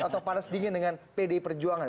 atau panas dingin dengan pdi perjuangan